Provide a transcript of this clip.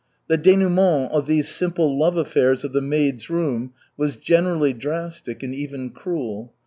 The dénouement of these simple love affairs of the maids' room was generally drastic and even cruel.